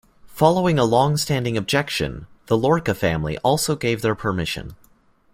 Following a long-standing objection, the Lorca family also gave their permission.